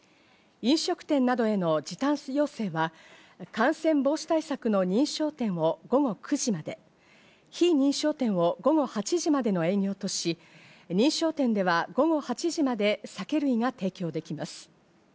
飲食店などへの時短要請は、感染防止対策の認証店を午後９時まで、非認証店を午後８時までの営業とし、認証店では午後８時まで酒類が提供できます。